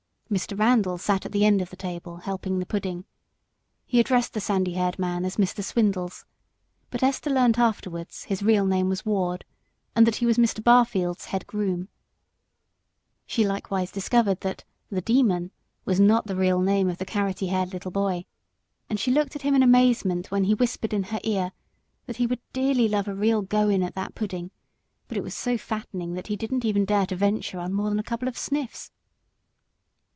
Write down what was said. Mr. Randal sat at the end of the table helping the pudding. He addressed the sandy haired man as Mr. Swindles; but Esther learnt afterwards his real name was Ward, and that he was Mr. Barfield's head groom. She learnt, too, that "the Demon" was not the real name of the little carroty haired boy, and she looked at him in amazement when he whispered in her ear that he would dearly love a real go in at that pudding, but that it was so fattening that he didn't ever dare to venture on more than a couple of sniffs.